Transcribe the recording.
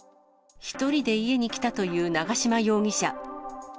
１人で家に来たという永嶋容疑者。